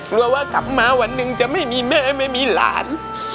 กลัวว่ากลับมาวันหนึ่งจะไม่มีแม่ไม่มีหลาน